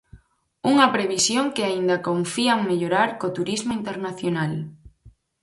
Unha previsión que aínda confían mellorar co turismo internacional.